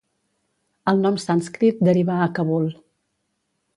El nom sànscrit derivà a Kabul.